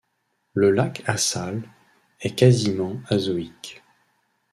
Le lac Assal est quasiment azoïque.